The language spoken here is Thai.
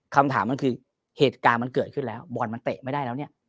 คำถามมันคือเหตุการณ์มันเกิดขึ้นแล้วบอลมันเตะไม่ได้แล้วเนี่ย